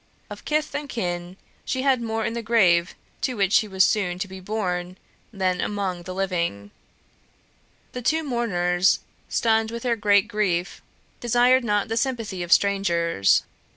Of kith and kin she had more in the grave to which she was soon to be borne, than among the living. The two mourners, stunned with their great grief, desired not the sympathy of strangers.